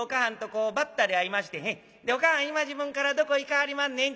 こうばったり会いましてねで『お母はん今時分からどこ行かはりまんねん？』